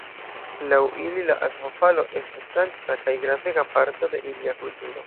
Laŭ ili la akvofalo estas sankta kaj gravega parto de ilia kulturo.